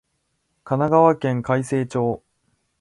神奈川県開成町